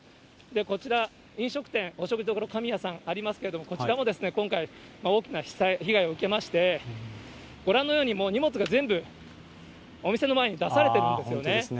こちら、飲食店、お食事処かみやさんありますけれども、こちらも今回、大きな被害を受けまして、ご覧のように、もう荷物が全部お店の前に出されて本当ですね。